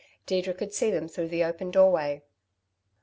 Deirdre could see them through the open doorway.